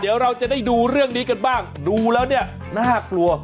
เดี๋ยวเราจะได้ดูเรื่องนี้กันบ้างดูแล้วเนี่ยน่ากลัว